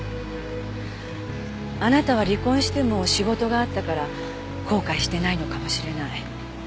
あなたは離婚しても仕事があったから後悔してないのかもしれない。